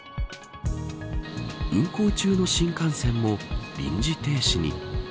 運行中の新幹線も臨時停止に。